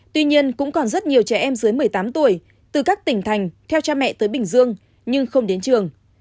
tuy nhiên cũng còn rất nhiều trẻ em dưới một mươi tám tuổi từ các tỉnh thành theo cha mẹ tới bình dương nhưng không đến trường